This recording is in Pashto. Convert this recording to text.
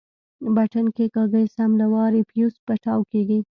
بټن کښېکاږي سم له وارې فيوز پټاو کېږي.